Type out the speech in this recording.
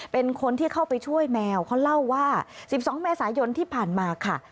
เป็นคนที่เข้าไปช่วยแมวเขาเล่าว่า๑๒เมษายนที่ผ่านมาค่ะ